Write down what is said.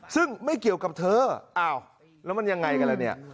ซึ่งไม่เกี่ยวกับเธออ้าวแล้วมันยังไงกันแล้วเนี่ย